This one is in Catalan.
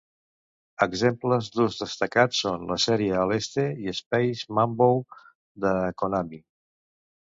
Exemples d'ús destacats són la sèrie Aleste i Space Manbow de Konami.